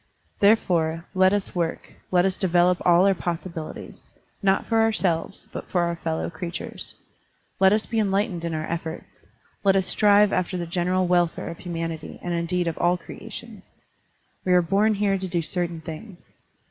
Therefore, let us work, let us develop all our possibilities; not for ourselves, but for our fellow creatures. Let us be enlightened in our efforts, let us strive after the general welfare of himianity and indeed of all creations. We are bom here to do certain things.